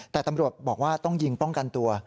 แต่ตำรวจบอกว่าต้องยิงป้องกันตัว